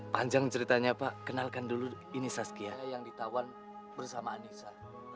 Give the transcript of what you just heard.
panjang ceritanya pak kenalkan dulu ini saskithat yang di tawan bersama anissa